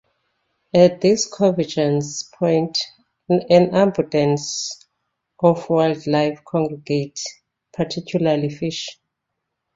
At this convergence point, an abundance of wildlife congregate, particularly fish.